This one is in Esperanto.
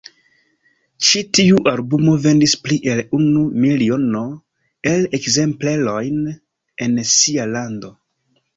Ĉi tiu albumo vendis pli el unu miliono el ekzemplerojn en sia lando.